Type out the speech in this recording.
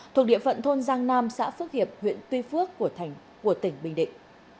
thuộc địa phận thôn giang nam xã phước hiệp huyện tuy phước của tỉnh bình định